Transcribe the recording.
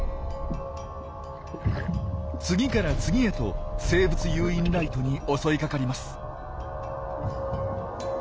次から次へと生物誘引ライトに襲いかかります。